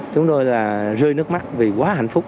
chúng tôi là rơi nước mắt vì quá hạnh phúc